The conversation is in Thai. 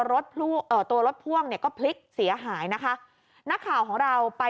เอ่อตัวรถพ่วงเนี่ยก็พลิกเสียหายนะคะนักข่าวของเราไป